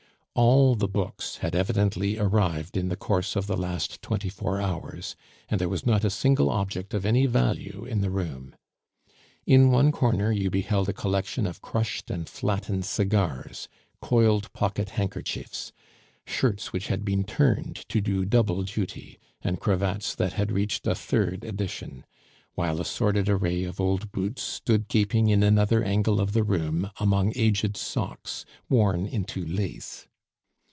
All the books had evidently arrived in the course of the last twenty four hours; and there was not a single object of any value in the room. In one corner you beheld a collection of crushed and flattened cigars, coiled pocket handkerchiefs, shirts which had been turned to do double duty, and cravats that had reached a third edition; while a sordid array of old boots stood gaping in another angle of the room among aged socks worn into lace.